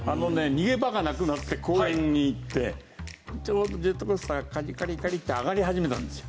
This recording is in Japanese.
逃げ場がなくなって公園に行ってちょうどジェットコースターがカリカリカリって上がり始めたんですよ。